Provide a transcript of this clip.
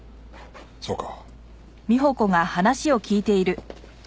そうか。